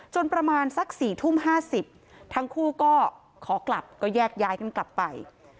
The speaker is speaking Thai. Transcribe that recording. ประมาณสัก๔ทุ่ม๕๐ทั้งคู่ก็ขอกลับก็แยกย้ายกันกลับไป